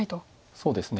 そうですね。